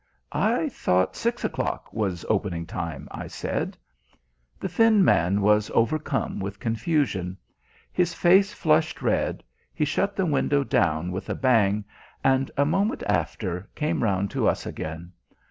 "I thought six o'clock was opening time?" I said. The thin man was overcome with confusion. His face flushed red, he shut the window down with a bang, and a moment after came round to us again.